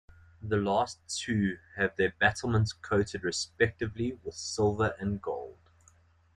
The last two have their battlements coated respectively with silver and gold.